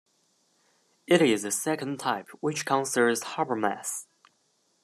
It is the second type which concerns Habermas.